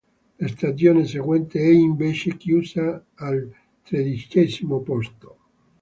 La stagione seguente è invece chiusa al tredicesimo posto.